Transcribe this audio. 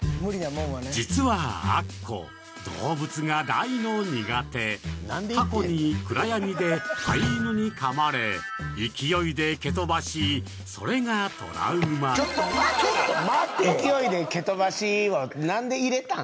実はアッコ動物が大の苦手過去に暗闇で飼い犬に噛まれ勢いで蹴飛ばしそれがトラウマに「勢いで蹴飛ばし」はなんで入れたん？